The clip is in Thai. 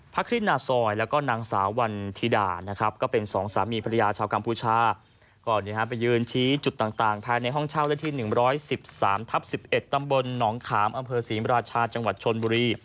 อพระครินาสอยแล้วก็นางสาววัณธิดานะครับ